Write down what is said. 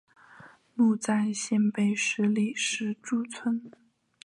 墓在县北十里石柱村。